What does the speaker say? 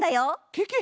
ケケ！